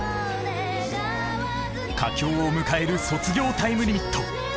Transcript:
佳境を迎える「卒業タイムリミット」。